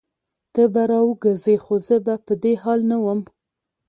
ته به راوګرځي خو زه به په دې حال نه وم